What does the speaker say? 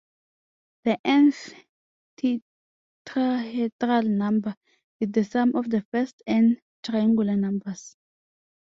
The "n"th tetrahedral number is the sum of the first "n" triangular numbers.